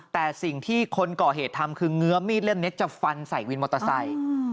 แต่สิ่งที่คนก่อเหตุทำคือเงื้อมีดเล่มนี้จะฟันใส่วินมอเตอร์ไซค์